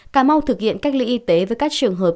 cà mau thực hiện cách ly y tế với các trường hợp